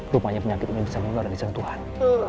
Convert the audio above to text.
rupanya penyakit ini bisa mengelola dari tuhan